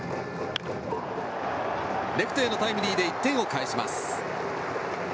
レフトへのタイムリーで１点を返します。